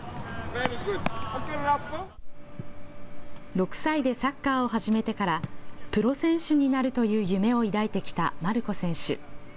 ６歳でサッカーを始めてからプロ選手になるという夢を抱いてきたマルコ選手。